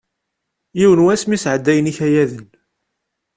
Yiwen wass mi sɛeddayen ikayaden.